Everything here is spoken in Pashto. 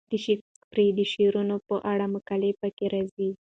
د شکسپیر د شعرونو په اړه مقالې پکې راځي.